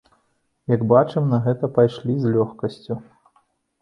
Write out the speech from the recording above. Як бачым, на гэта пайшлі з лёгкасцю.